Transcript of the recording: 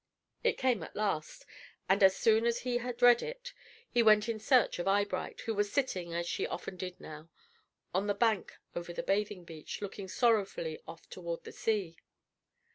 It came at last, and as soon as he had read it, he went in search of Eyebright, who was sitting, as she often did now, on the bank over the bathing beach, looking sorrowfully off toward the sea.